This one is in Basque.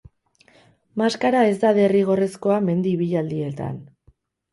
Maskara ez da derrigorrezkoa mendi ibilaldietan.